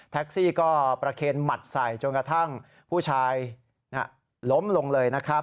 แท็กซี่ก็ประเคนหมัดใส่จนกระทั่งผู้ชายล้มลงเลยนะครับ